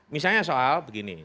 misalnya soal begini